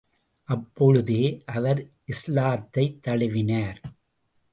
அப்பொழுதே அவர் இஸ்லாத்தைத் தழுவினார்.